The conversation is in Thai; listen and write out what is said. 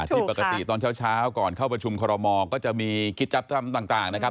ที่ปกติตอนเช้าก่อนเข้าประชุมคอรมอก็จะมีกิจจัดทำต่างนะครับ